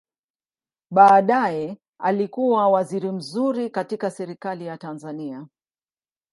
Baadaye alikua waziri mzuri katika Serikali ya Tanzania.